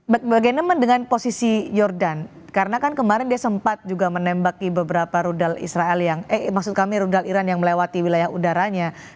bagaimana dengan posisi jordan karena kan kemarin dia sempat juga menembaki beberapa rudal israel yang eh maksud kami rudal iran yang melewati wilayah udaranya